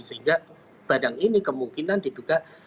sehingga barang ini kemungkinan diduga